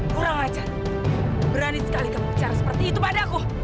kurang aja berani sekali kamu bicara seperti itu padaku